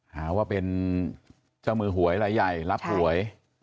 หาว่าเป็นเจ้ามือหวยลายใหญ่รับหวย